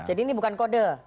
jadi ini bukan kode